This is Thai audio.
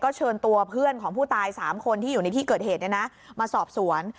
ก็เชิญตัวเพื่อนของผู้ตายสามคนทีอยู่ในที่เกิดเหตุเนี้ยนะมาสอบสวน